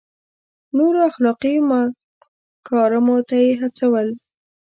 نورو اخلاقي مکارمو ته یې هڅول.